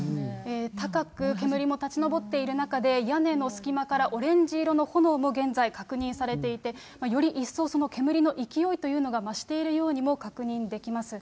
高く煙も立ち上っている中で、屋根の隙間からオレンジ色の炎も現在確認されていて、より一層、その煙の勢いというのが増しているのも確認できます。